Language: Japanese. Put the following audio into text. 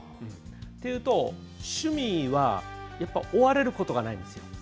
っていうと、趣味は追われることがないんですよ。